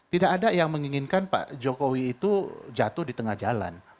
tidak ada yang menginginkan pak jokowi itu jatuh di tengah jalan